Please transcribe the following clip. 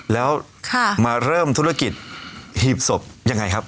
แล้วมาเริ่มธุรกิจหีบศพยังไงครับ